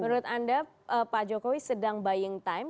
menurut anda pak jokowi sedang buying time